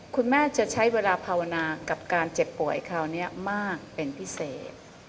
คุณแม่จะใช้เวลาภาวนากับการเจ็บป่วยคราวนี้มากเป็นพิเศษ